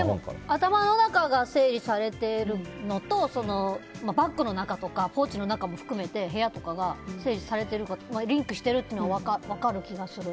頭の中が整理されてるのとバッグの中とかポーチの中も含めて部屋とかが整理されているかがリンクしてるというのは分かる気がする。